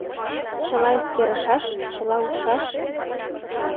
Чыла эскерышаш, чыла ужшаш.